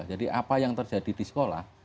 apa yang terjadi di sekolah